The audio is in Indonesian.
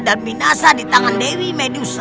dan binasa di tangan dewi medusa